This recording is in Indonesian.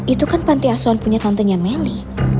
itu kan pantiasuhan punya tontenya meli